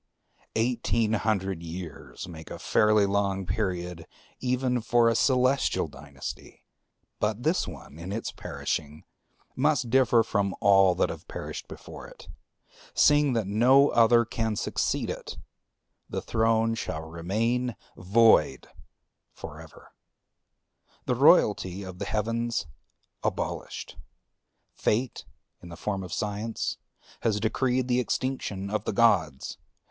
Eighteen hundred years make a fairly long period even for a celestial dynasty; but this one in its perishing must differ from all that have perished before it, seeing that no other can succeed it; the throne shall remain void for ever, the royalty of the Heavens be abolished. Fate, in the form of Science, has decreed the extinction of the gods.